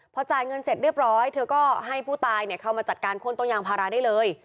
พอจ่ายเงินเสร็จเรียบร้อยเธอก็ให้ผู้ตายเข้ามาจัดการข้นต้นยางพาราได้เลย